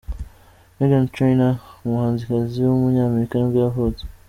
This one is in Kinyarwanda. Meghan Trainor, umuhanzikazi w’umunyamerika nibwo yavutse.